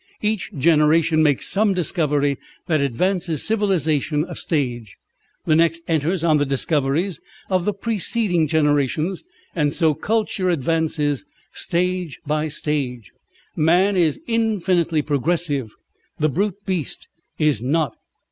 Each generation makes some discovery that advances civilisation a stage, the next enters on the discoveries of the preceding generations, and so culture advances stage by stage. Man is infinitely progressive, the brute beast is not."